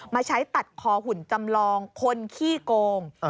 มาใช้ตัดคอหุ่นจำลองคนขี้โกง